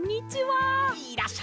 いらっしゃい！